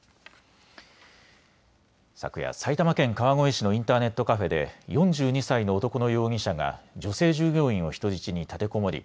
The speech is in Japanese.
昨夜、埼玉県川越市のインターネットカフェで４２歳の男の容疑者が女性従業員を人質に立てこもり